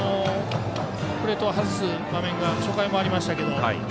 プレートを外す場面が初回もありましたが。